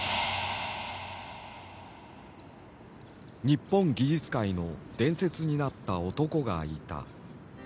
日本技術界の伝説になった男がいた。